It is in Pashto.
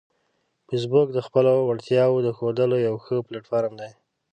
فېسبوک د خپلو وړتیاوو د ښودلو یو ښه پلیټ فارم دی